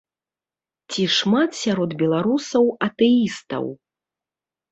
Ці шмат сярод беларусаў атэістаў?